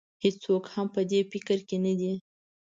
هېڅوک هم په دې فکر کې نه دی.